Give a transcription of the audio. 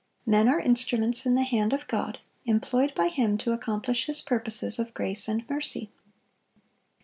Men are instruments in the hand of God, employed by Him to accomplish His purposes of grace and mercy.